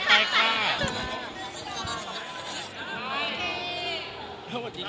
พี่ถ่ายดั่งเผยเฮ้ย